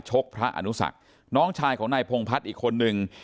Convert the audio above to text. ชกพระอาณุศักดิ์น้องชายของนายพงภัทรอีกคนนึง